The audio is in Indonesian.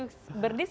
mari kita berbicara